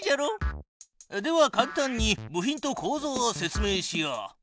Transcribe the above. ではかん単に部品とこうぞうを説明しよう。